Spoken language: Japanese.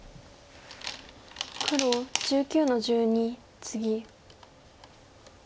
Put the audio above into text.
黒１９の十二ツギ。